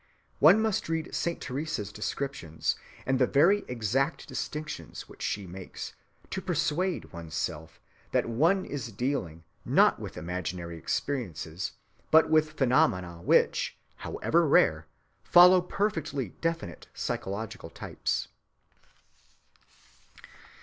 One must read Saint Teresa's descriptions and the very exact distinctions which she makes, to persuade one's self that one is dealing, not with imaginary experiences, but with phenomena which, however rare, follow perfectly definite psychological types.